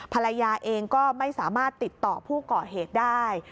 ภรรยาเองก็ไม่สามารถติดต่อผู้ก่อเหตุได้